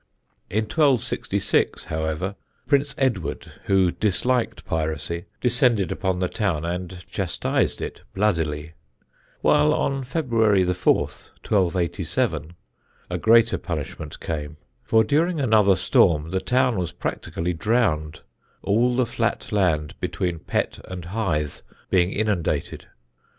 In 1266, however, Prince Edward, who disliked piracy, descended upon the town and chastised it bloodily; while on February 4, 1287, a greater punishment came, for during another storm the town was practically drowned, all the flat land between Pett and Hythe being inundated.